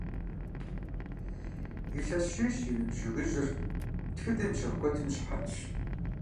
Илъэс щищ зи ныбжь жыгыжьыр тхыдэм и щэху куэдым и щыхьэтщ.